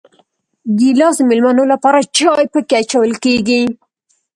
ګیلاس د مېلمنو لپاره چای پکې اچول کېږي.